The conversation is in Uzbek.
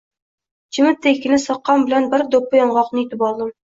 Jimitdekkina soqqam bilan bir do‘ppi yong‘oqni yutib oldim.